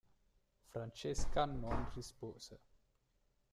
Francesca non rispose.